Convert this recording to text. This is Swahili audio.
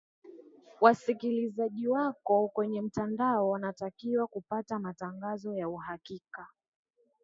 wasikilizaji wako kwenye mtandao wanatakiwa kupata matangazo ya uhakika